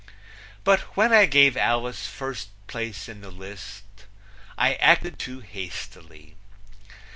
But when I gave Alice first place in the list I acted too hastily.